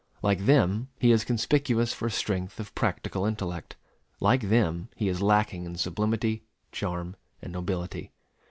Like them he is conspicuous for strength of practical intellect; like them he is lacking in sublimity, charm, and nobility.